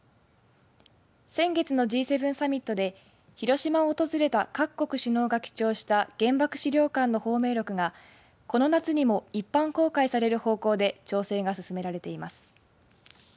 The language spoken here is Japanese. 先月のＧ７サミットで広島を訪れた各国首脳が記帳した原爆資料館の芳名録がこの夏にも一般公開される方向で調整が進められています。